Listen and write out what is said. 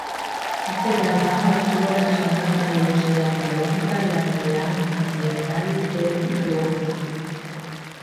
Este trabajo estuvo relacionado con la diversidad biológica y la realidad ambiental de Ruanda.